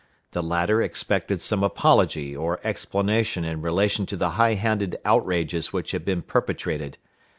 The latter expected some apology or explanation in relation to the high handed outrages which had been perpetrated.